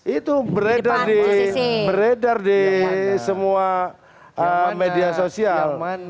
itu beredar di semua media sosial